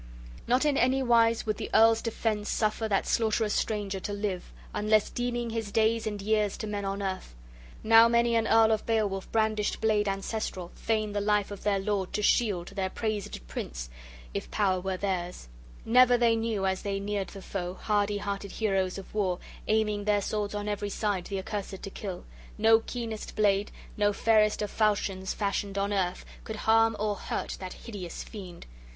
XII NOT in any wise would the earls' defence {12a} suffer that slaughterous stranger to live, useless deeming his days and years to men on earth. Now many an earl of Beowulf brandished blade ancestral, fain the life of their lord to shield, their praised prince, if power were theirs; never they knew, as they neared the foe, hardy hearted heroes of war, aiming their swords on every side the accursed to kill, no keenest blade, no farest of falchions fashioned on earth, could harm or hurt that hideous fiend!